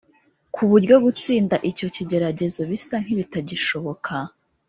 ku buryo gutsinda icyo kigeragezo bisa nkibitagishoboka